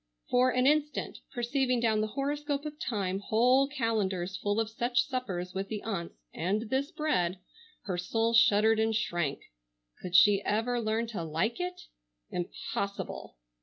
For an instant, perceiving down the horoscope of time whole calendars full of such suppers with the aunts, and this bread, her soul shuddered and shrank. Could she ever learn to like it? Impossible!